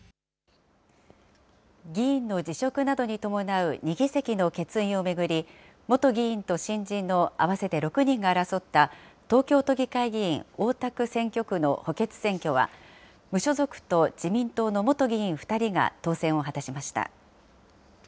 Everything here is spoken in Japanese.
議員の辞職などに伴う２議席の欠員を巡り、元議員と新人の合わせて６人が争った、東京都議会議員大田区選挙区の補欠選挙は、無所属と自民党の元議員２人が当選を果たしました。